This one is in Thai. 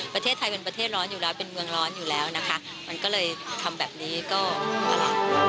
ประเทศไทยเป็นประเทศร้อนอยู่แล้วเป็นเมืองร้อนอยู่แล้วนะคะมันก็เลยทำแบบนี้ก็อะไร